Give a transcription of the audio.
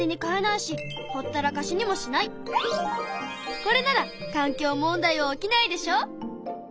これなら環境問題は起きないでしょ？